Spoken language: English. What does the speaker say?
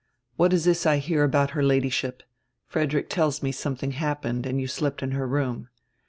"What is this I hear about her Ladyship? Frederick tells me something happened and you slept in her room."